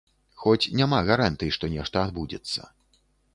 Хоць няма гарантый, што нешта адбудзецца.